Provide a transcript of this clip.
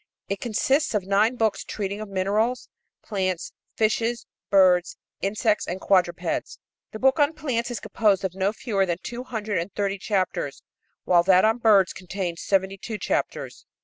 It consists of nine books treating of minerals, plants, fishes, birds, insects and quadrupeds. The book on plants is composed of no fewer than two hundred and thirty chapters, while that on birds contains seventy two chapters.